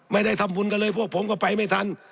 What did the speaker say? ไม่ได้ทำบุญกันเลยพวกผมก็ไปไม่ทัน